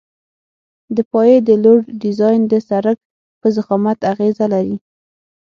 د پایې د لوډ ډیزاین د سرک په ضخامت اغیزه لري